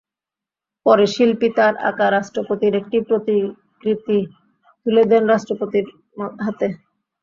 পরে শিল্পী তাঁর আঁকা রাষ্ট্রপতির একটি প্রতিকৃতি তুলে দেন রাষ্ট্রপতির হাতে।